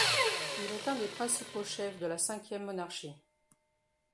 Il est un des principaux chefs de la Cinquième Monarchie.